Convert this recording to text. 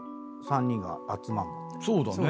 そうだね。